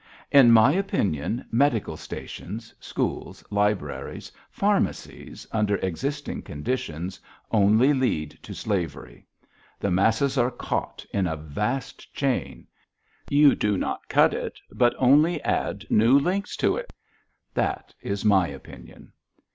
"In my opinion medical stations, schools, libraries, pharmacies, under existing conditions, only lead to slavery. The masses are caught in a vast chain: you do not cut it but only add new links to it. That is my opinion."